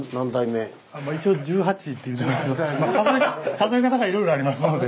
数え方がいろいろありますので。